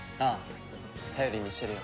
頼りにしてるよ。